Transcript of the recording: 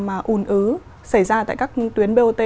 mà ùn ứ xảy ra tại các tuyến bot